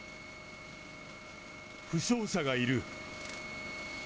負傷者がいる。